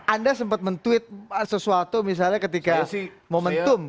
anda sempat men tweet sesuatu misalnya ketika momentum